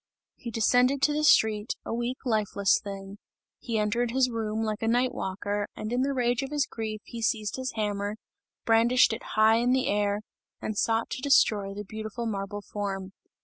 He descended to the street, a weak, lifeless thing; he entered his room like a night walker, and in the rage of his grief, he seized his hammer, brandished it high in the air and sought to destroy the beautiful marble form.